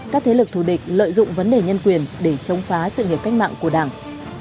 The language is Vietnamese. các thế lực thù địch lợi dụng vấn đề nhân quyền để chống phá sự nghiệp cách mạng của đảng